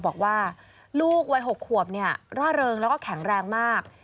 บอกว่าลูกวัย๖ขวบร่าเริงแล้วก็แข็งแรงมาก